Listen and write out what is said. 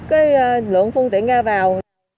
lực lượng phương tiện ra vào tp bạc liêu